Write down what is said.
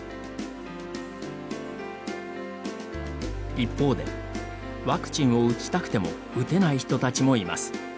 一方でワクチンを打ちたくても打てない人たちもいます。